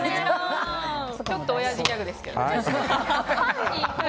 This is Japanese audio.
ちょっとおやじギャグですけどね。